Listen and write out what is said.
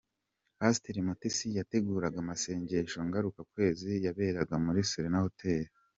Pasiteri Mutesi yateguraga amasengesho ngarukakwezi yaberaga muri Serena Hotel